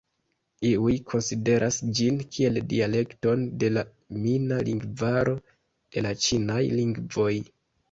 Iuj konsideras ĝin kiel dialekton de la mina lingvaro de la ĉinaj lingvoj.